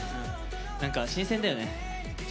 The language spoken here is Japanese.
なんか新鮮だよね。